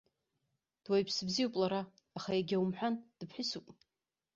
Дуаҩԥсы бзиоуп лара, аха, егьа умҳәан, дыԥҳәысуп.